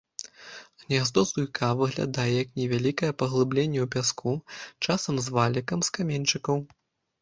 Гняздо зуйка выглядае як невялікае паглыбленне ў пяску, часам з валікам з каменьчыкаў.